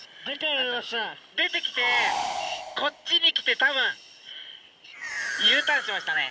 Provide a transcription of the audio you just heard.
出てきてこっちに来てたぶんＵターンしましたね。